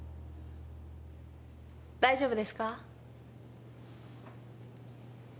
大丈夫ですか？